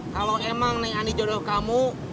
kalau emang naik ani jodoh kamu